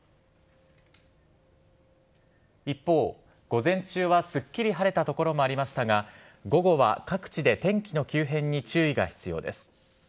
一方、午前中はすっきり晴れた所もありましたが、午後は各地で天気の急変に注意が必要です。